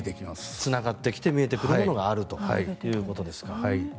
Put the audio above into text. つながってきて見えてくるものがあるということですか。